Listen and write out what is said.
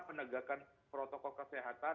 penegakan protokol kesehatan